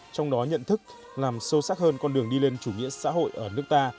trong đó nhận thức làm sâu sắc hơn con đường đi lên chủ nghĩa xã hội ở nước ta